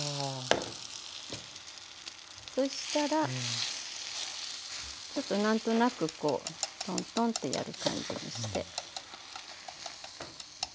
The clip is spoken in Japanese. そうしたらちょっと何となくこうトントンってやる感じにして。